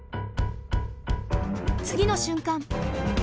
次の瞬間！